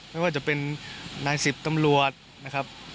ไม่ว่าจะเป็นนายสิบตำรวจนะครับ